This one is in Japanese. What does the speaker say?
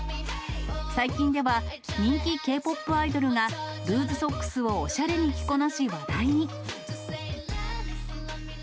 最近では、人気Ｋ−ＰＯＰアイドルが、ルーズソックスをおしゃれに着こなし、話題に。